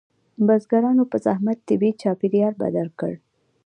بزګرانو په زحمت طبیعي چاپیریال بدل کړ.